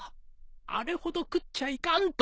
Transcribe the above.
あれほど食っちゃいかんと。